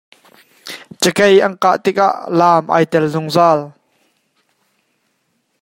Cakei an kah tikah laam aa tel zungzal.